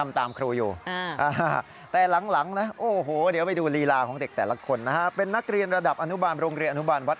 ลีราฯฮรั่งมีกายของเรียรบรสกฬ